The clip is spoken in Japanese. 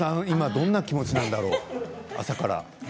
今どんな気持ちなんだろう朝から。